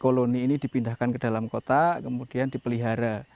koloni ini dipindahkan ke dalam kota kemudian dipelihara